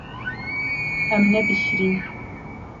Em nebişirîn.